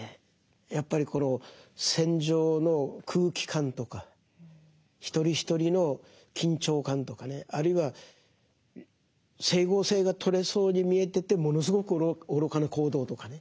やっぱりこの戦場の空気感とか一人一人の緊張感とかねあるいは整合性が取れそうに見えててものすごく愚かな行動とかね。